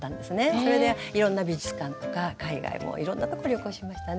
それでいろんな美術館とか海外もいろんなとこ旅行しましたね。